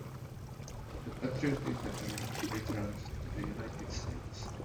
The patriotic veteran returned to the United States.